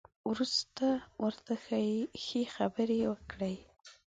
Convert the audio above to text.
وروسته ورته ښې خبرې وکړئ.